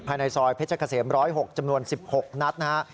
ภายในซอยเพชรเกษม๑๐๖จำนวน๑๖นัดนะฮะ